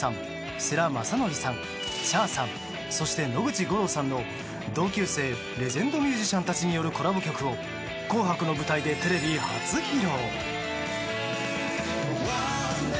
世良公則さん、Ｃｈａｒさんそして、野口五郎さんの同級生レジェンドミュージシャンによるコラボ曲を「紅白」の舞台でテレビ初披露。